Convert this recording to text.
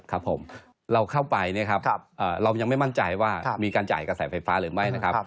ครับผมเราเข้าไปเนี่ยครับเรายังไม่มั่นใจว่ามีการจ่ายกระแสไฟฟ้าหรือไม่นะครับ